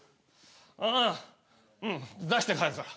あぁうん出して帰るから。